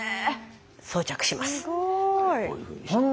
装着します。